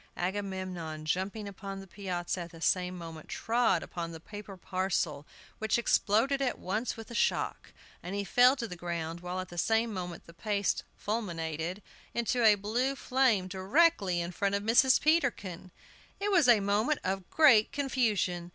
Agamemnon, jumping upon the piazza at the same moment, trod upon the paper parcel, which exploded at once with the shock, and he fell to the ground, while at the same moment the paste "fulminated" into a blue flame directly in front of Mrs. Peterkin! It was a moment of great confusion.